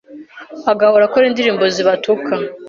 agahora akora indirimbo zibatuka